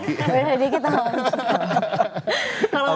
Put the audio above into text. beda dikit sama om ciko